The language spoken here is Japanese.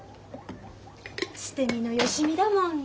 捨て身の芳美だもんね。